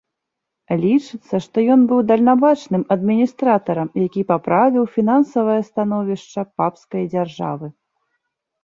Лічыцца, што ён быў дальнабачным адміністратарам, які паправіў фінансавае становішча папскай дзяржавы.